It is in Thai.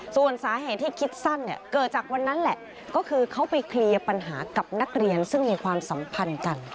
ส่วนสาเหตุที่คิดสั้นเนี่ยเกิดจากวันนั้นแหละก็คือเขาไปเคลียร์ปัญหากับนักเรียนซึ่งมีความสัมพันธ์กัน